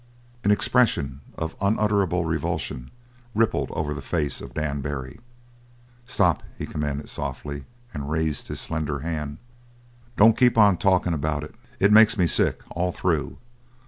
An expression of unutterable revulsion rippled over the face of Dan Barry. "Stop!" he commanded softly, and raised his slender hand. "Don't keep on talkin' about it. It makes me sick all through.